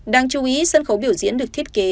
đáng chú ý sân khấu biểu diễn được thiết kế